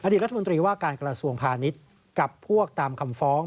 รัฐมนตรีว่าการกระทรวงพาณิชย์กับพวกตามคำฟ้อง